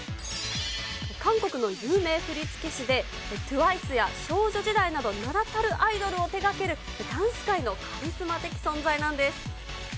韓国の有名振付師で、ＴＷＩＣＥや少女時代など、名だたるアイドルを手がける、ダンス界のカリスマ的存在なんです。